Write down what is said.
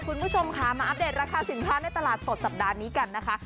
คุณผู้ชมค่ะมาอัปเดตราคาสินค้าในตลาดสดสัปดาห์นี้กันนะคะ